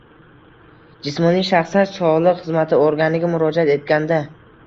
Jismoniy shaxslar soliq xizmati organiga murojaat etganda